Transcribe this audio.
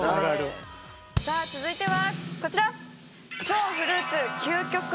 さあ続いてはこちら。